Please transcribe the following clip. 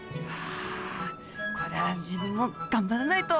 あこれは自分も頑張らないと！